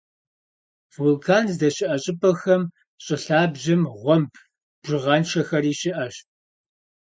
Вулкан здэщыӀэ щӀыпӀэхэм щӀы лъабжьэм гъуэмб бжыгъэншэхэри щыӀэщ.